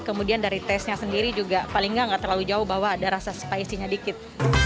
kemudian dari tesnya sendiri juga paling nggak terlalu jauh bahwa ada rasa spesinya dikit